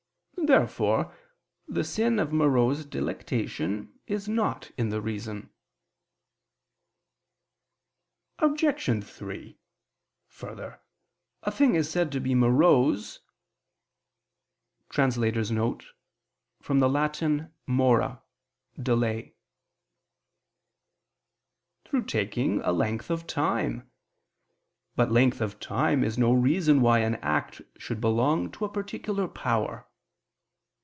Therefore the sin of morose delectation is not in the reason. Obj. 3: Further, a thing is said to be morose [*From the Latin mora delay] through taking a length of time. But length of time is no reason why an act should belong to a particular power.